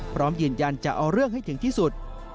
พร้อมยืนยันจะเอาเรื่องให้ถึงที่สุด